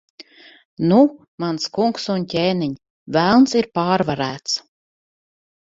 Nu, mans kungs un ķēniņ, Velns ir pārvarēts.